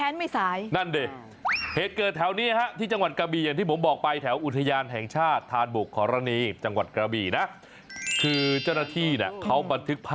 นี่ศึกชิงเจ้ายุทธภพ